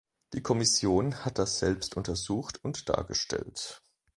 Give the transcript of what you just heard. Die Kommission hat das selbst untersucht und dargestellt.